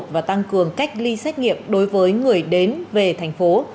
và tăng cường cách ly xét nghiệm đối với người đến về thành phố